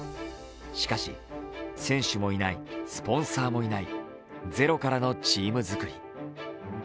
しかし選手もいない、スポンサーもいない、ゼロからのチーム作り。